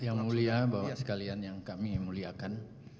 yang mulia bapak sekalian yang kami muliakan